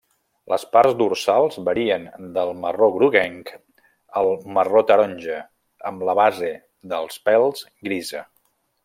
Les parts dorsals varien del marró-groguenc al marró-taronja amb la base dels pèls grisa.